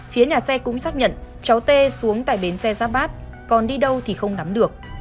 phía nhà xe cũng xác nhận cháu tê xuống tại bến xe giáp bát còn đi đâu thì không nắm được